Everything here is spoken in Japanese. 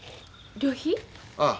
ああ。